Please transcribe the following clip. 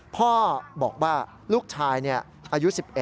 พ่อบอกว่าลูกชายอายุ๑๑